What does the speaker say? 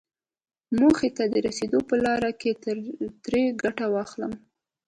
موخې ته د رسېدو په لاره کې ترې ګټه واخلم.